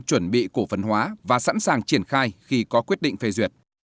chuẩn bị cổ phần hóa và sẵn sàng triển khai khi có quyết định phê duyệt